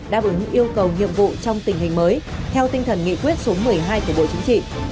đáp ứng yêu cầu nhiệm vụ trong tình hình mới theo tinh thần nghị quyết số một mươi hai của bộ chính trị